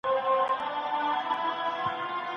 بلبل نه و یوه نوې تماشه وه